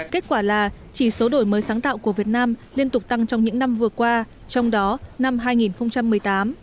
kết quả là chỉ số đổi mới sáng tạo của việt nam liên tục tăng trong những năm vừa qua trong đó năm hai nghìn một mươi tám